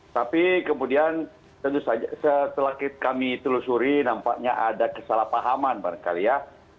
tapi kemudian tentu saja setelah kami telusuri nampaknya ada kesalahpahaman barangkali ya